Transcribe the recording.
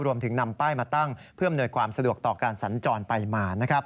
นำป้ายมาตั้งเพื่ออำนวยความสะดวกต่อการสัญจรไปมา